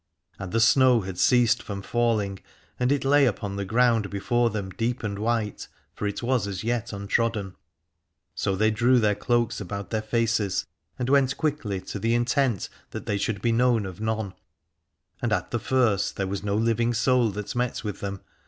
And the snow had ceased from falling and it lay upon the ground before them deep and white, for it was yet untrodden. So they drew their cloaks about their faces and went quickly, to the intent that they should be known of none : and at the first there was no living soul that met with them.